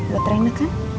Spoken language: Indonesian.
buat rena kan